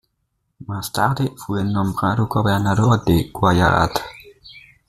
Más tarde, fue nombrado gobernador de Guyarat.